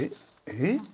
えっ？